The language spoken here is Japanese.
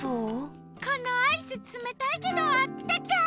このアイスつめたいけどあったかい！